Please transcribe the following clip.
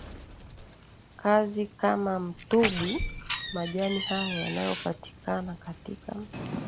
kazi kama mtubwi Majani haya yanayopatikana katika